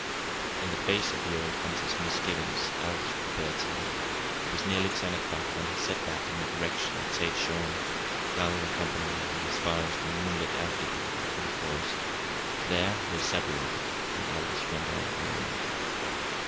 In the face of the old hunter's misgiving, Aldous prepared to leave. It was nearly ten o'clock when he set back in the direction of Tête Jaune, Donald accompanying him as far as the moonlit amphitheatre in the forest. There they separated, and Aldous went on alone.